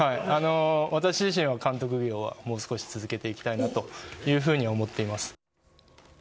私自身は監督業はもう少し続けていきたいなというふうに思っています。